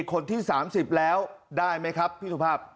คนที่๓๐แล้วได้ไหมครับพี่สุภาพ